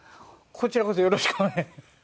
こちらこそよろしくお願い。